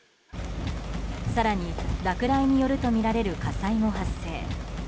更に落雷によるとみられる火災も発生。